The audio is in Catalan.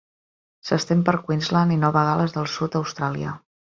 S'estén per Queensland i Nova Gal·les del Sud a Austràlia.